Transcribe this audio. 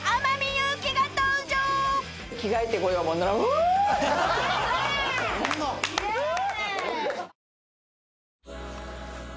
着替えてこようもんならホーウ！！